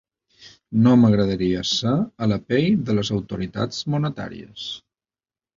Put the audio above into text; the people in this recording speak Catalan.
No m’agradaria ser a la pell de les autoritats monetàries.